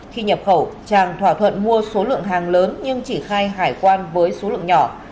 khi nhập khẩu trang thỏa thuận mua số lượng hàng lớn nhưng chỉ khai hải quan với số lượng nhỏ